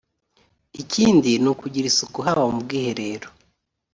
Ikindi ni ukugira isuku haba mu bwiherero